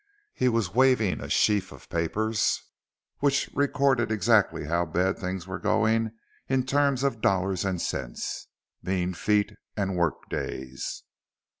He was waving a sheaf of papers which recorded exactly how bad things were going in terms of dollars and cents, mean feet, and work days.